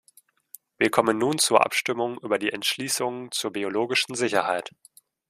Wir kommen nun zur Abstimmung über die Entschließungen zur biologischen Sicherheit.